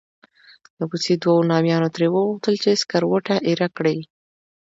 د کوڅې دوو نامیانو ترې وغوښتل چې سکروټه ایره کړي.